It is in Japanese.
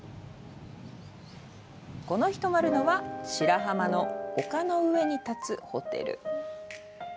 この日泊まるのは白浜の丘の上に建つホテル。